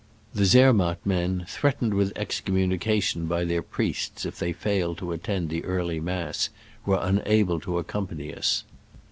The Zermatt men, threatened with excommunication by their priests if they failed to attend the early mass, were unable to accom pany us.